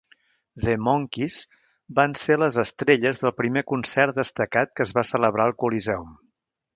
The Monkees van ser les estrelles del primer concert destacat que es va celebrar al Coliseum.